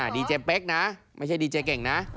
ดีเจเป๊กนะไม่ใช่ดีเจเก่งนะ